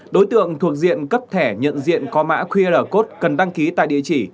đối tượng thuộc diện cấp thẻ nhận diện có mã qr code cần đăng ký tại địa chỉ